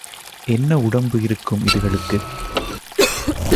என்ன உடம்பு இருக்கும் இதுகளுக்கு?